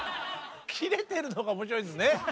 キレてるのが面白いですね。